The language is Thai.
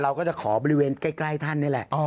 เราก็จะขอบริเวณใกล้ท่านนี่แหละ